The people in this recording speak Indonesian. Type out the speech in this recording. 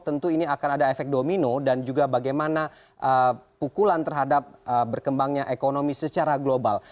tentu ini akan ada efek domino dan juga bagaimana pukulan terhadap berkembangnya ekonomi secara global